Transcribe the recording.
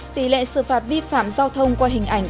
tỷ lệ xử phạt vi phạm giao thông qua hình ảnh